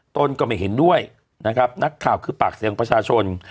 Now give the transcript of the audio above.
ตนก็ไม่เห็นด้วยนะครับนักข่าวคือปากเสียงประชาชน